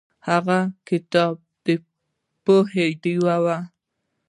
هغه کتاب د پوهې ډیوه وه.